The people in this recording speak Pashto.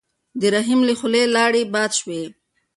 د رحیم له خولې لاړې باد شوې.